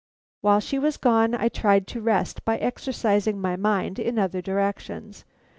While she was gone I tried to rest by exercising my mind in other directions.